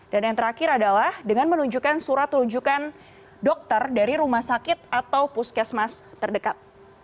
dan yang terakhir adalah dengan menunjukkan surat tunjukkan dokter dari rumah sakit atau puskesmas terdekat